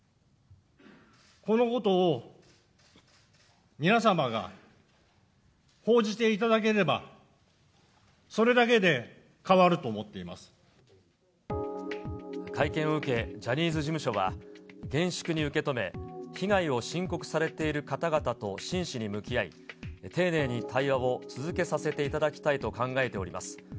このことを皆さまが報じていただければ、会見を受け、ジャニーズ事務所は厳粛に受け止め、被害を申告されている方々と真摯に向き合い、丁寧に対話を続けさせていただきたいと考えております。